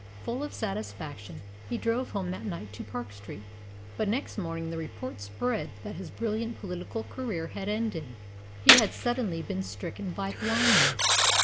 Full of satisfaction, he drove home that night to Park Street; but next morning the report spread that his brilliant political career had ended. He had suddenly been stricken by blindness.